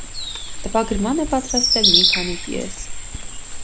Տպագրման է պատրաստել մի քանի պիես։